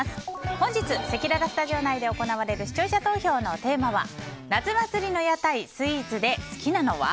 本日せきららスタジオ内で行われる視聴者投票のテーマは夏祭りの屋台スイーツで好きなのは？